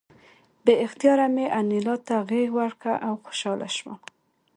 بې اختیاره مې انیلا ته غېږ ورکړه او خوشحاله شوم